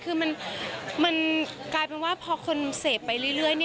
คือมันกลายเป็นว่าพอคนเสพไปเรื่อย